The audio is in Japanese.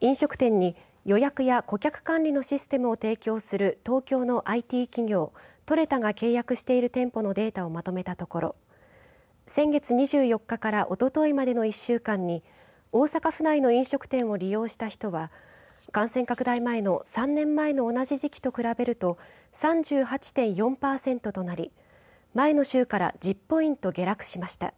飲食店に予約や顧客管理のシステムを提供する東京のＩＴ企業トレタが契約している店舗のデータをまとめたところ先月２４日からおとといまでの１週間に大阪府内の飲食店を利用した人は感染拡大前の３年前の同じ時期と比べると３８．４パーセントとなり前の週から１０ポイント下落しました。